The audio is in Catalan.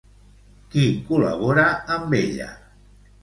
Qui col·labora amb ella?